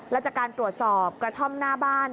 และจากการตรวจสอบกระท่อมหน้าบ้าน